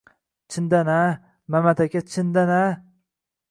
-Chindan-a, Mamat aka, chindan-a?!